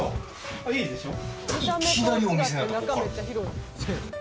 いいでしょ？